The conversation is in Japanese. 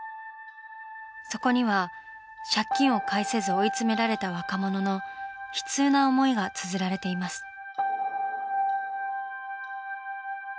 そこには借金を返せず追いつめられた若者の悲痛な思いがつづられています。